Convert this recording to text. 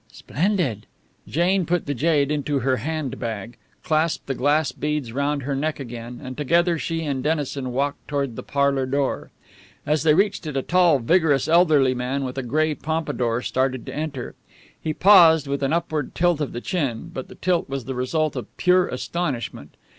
"Splendid!" Jane put the jade into her hand bag, clasped the glass beads round her neck again, and together she and Dennison walked toward the parlour door. As they reached it a tall, vigorous, elderly man with a gray pompadour started to enter. He paused, with an upward tilt of the chin, but the tilt was the result of pure astonishment.